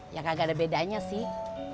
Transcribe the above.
ya kagak ada bedanya sih